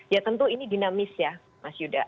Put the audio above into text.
ya tentu ini dinamis ya mas yuda